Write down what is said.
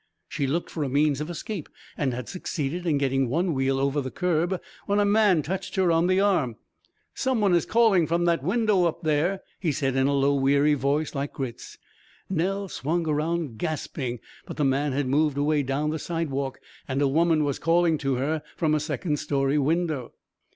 She looked for a means of escape and had succeeded in getting one wheel over the curb when a man touched her on the arm. "Someone is calling from the window up there," he said in a low weary voice like Grit's. Nell swung around, gasping, but the man had moved away down the sidewalk and a woman was calling to her from a second story window.